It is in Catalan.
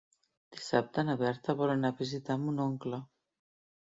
Dissabte na Berta vol anar a visitar mon oncle.